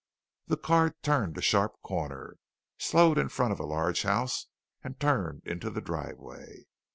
The car turned a sharp corner, slowed in front of a large house, and turned into the driveway.